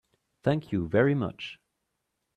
Thank you very much.